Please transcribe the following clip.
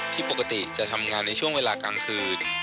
ปกติจะทำงานในช่วงเวลากลางคืน